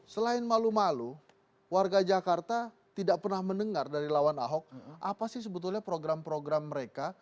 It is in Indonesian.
selain malu malu warga jakarta tidak pernah mendengar dari lawan ahok apa sih sebetulnya program program mereka